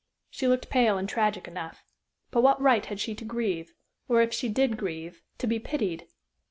She looked pale and tragic enough. But what right had she to grieve or, if she did grieve, to be pitied?